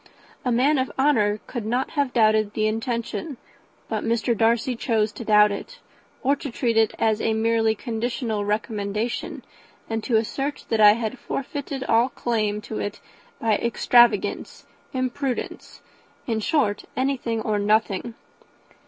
A man of honour could not have doubted the intention, but Mr. Darcy chose to doubt it or to treat it as a merely conditional recommendation, and to assert that I had forfeited all claim to it by extravagance, imprudence, in short, anything or nothing.